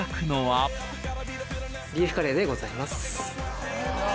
ビーフカレーでございます。